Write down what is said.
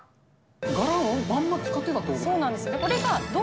柄をまんま使ってるってこと？